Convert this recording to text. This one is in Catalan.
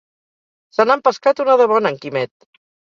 Se n'ha empescat una de bona, en Quimet!